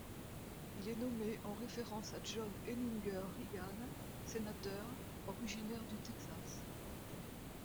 Il est nommé en référence à John Henninger Reagan, sénateur, originaire du Texas.